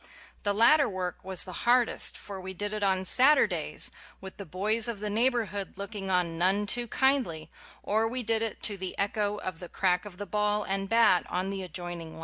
The latter work was the hardest: for we did it on Saturdays with the boys of the neighborhood looking on none too kindly, or we did it to the echo of the crack of the ball and bat on the adjoining lot!